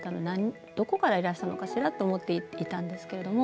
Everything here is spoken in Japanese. どこからいらしたのかしらと思っていたんです。